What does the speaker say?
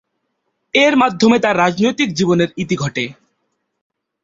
এর মাধ্যমে তার রাজনৈতিক জীবনের ইতি ঘটে।